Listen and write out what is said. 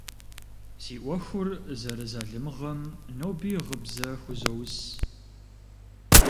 Си ӏуэхур зэрызалымыгъэм ноби гъыбзэ хузоус.